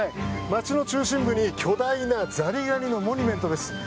街の中心部に巨大なザリガニのモニュメントです。